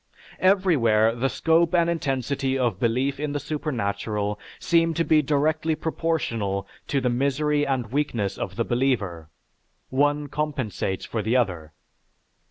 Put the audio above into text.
Everywhere the scope and intensity of belief in the supernatural seem to be directly proportional to the misery and weakness of the believer (one compensates for the other).